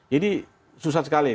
jadi susah sekali